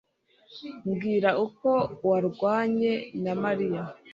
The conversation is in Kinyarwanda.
Mbwira uko warwanye na mariya